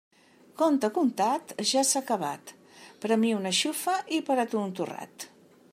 Conte contat, ja s'ha acabat; per a mi una xufa i per a tu un torrat.